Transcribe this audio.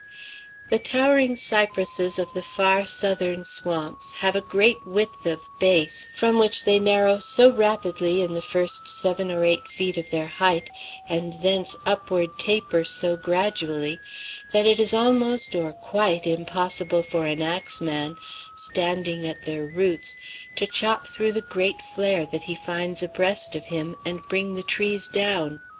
The towering cypresses of the far, southern swamps have a great width of base, from which they narrow so rapidly in the first seven or eight feet of their height, and thence upward taper so gradually, that it is almost or quite impossible for an axe man, standing at their roots, to chop through the great flare that he finds abreast of him, and bring the trees down.